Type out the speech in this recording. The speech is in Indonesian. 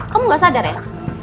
kamu nggak sadar ya